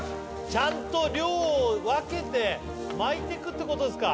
ちゃんと量を分けて巻いていくってことですか？